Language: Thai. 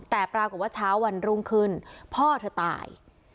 แต่ปรากฏว่าเช้าวันรุ่งขึ้นพ่อเธอตาย